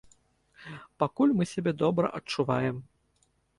Пакуль мы сябе добра адчуваем.